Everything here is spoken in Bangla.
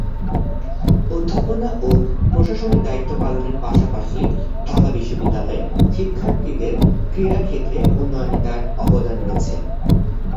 অধ্যাপনা ও প্রশাসনিক দায়িত্ব পালনের পাশাপাশি ঢাকা বিশ্ববিদ্যালয়ে শিক্ষার্থীদের ক্রীড়া ক্ষেত্রে উন্নয়নে তার অবদান রয়েছে।